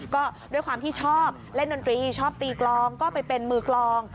ก็ด้วยความที่ชอบเล่นดนตรีชอบตีกลองก็ไปเป็นมือกลอง